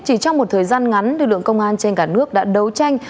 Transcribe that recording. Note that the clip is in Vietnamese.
chỉ trong một thời gian ngắn lực lượng công an trên cả nước đã đấu tranh